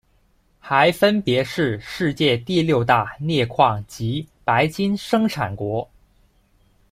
还分别是世界第六大镍矿及白金生产国。